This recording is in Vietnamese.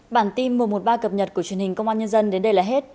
bản tin mùa một ba cập nhật của truyền hình công an nhân dân đến đây là hết